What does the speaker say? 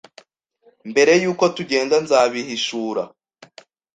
Mbere yuko tugenda nzabihishura